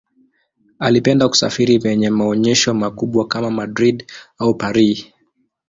Alipenda kusafiri penye maonyesho makubwa kama Madrid au Paris.